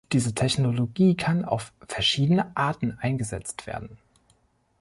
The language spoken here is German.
Diese Technologie kann auf verschiedene Arten eingesetzt werden.